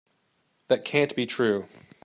That can't be true.